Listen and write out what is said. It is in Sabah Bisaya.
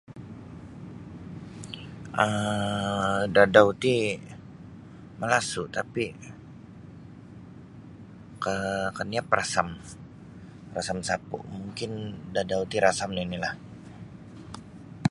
um dadau ti malasu' tapi' kaa kaniab rasam rasam sapu mungkin dadau ti rasam nini'lah.